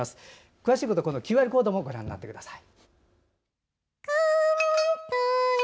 詳しいことはＱＲコードをご覧になってください。